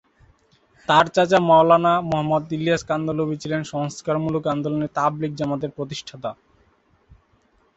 তার চাচা মাওলানা মুহাম্মদ ইলিয়াস কান্ধলভি ছিলেন সংস্কারমূলক আন্দোলন তাবলিগ জামাতের প্রতিষ্ঠাতা।